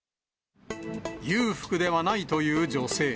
裕福ではないという女性。